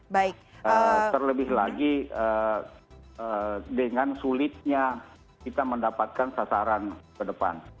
baik terlebih lagi dengan sulitnya kita mendapatkan sasaran ke depan